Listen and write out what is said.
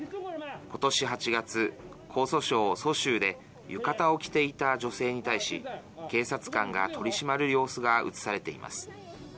今年８月、江蘇省蘇州で浴衣を着ていた女性に対し警察官が取り締まる様子が映されています。